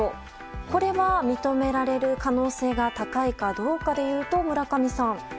これは、認められる可能性が高いかどうかでいうと、村上さん。